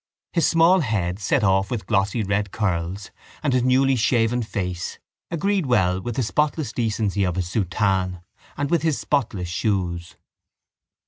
His small head set off with glossy red curls and his newly shaven face agreed well with the spotless decency of his soutane and with his spotless shoes.